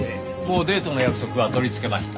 もうデートの約束は取りつけました。